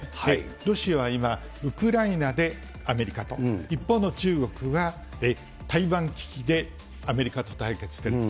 ロシアは今、ウクライナでアメリカと、日本の中国は台湾危機でアメリカと対決していると。